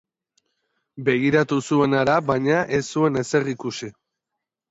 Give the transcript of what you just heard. Begiratu zuen hara, baina ez zuen ezer ikusi.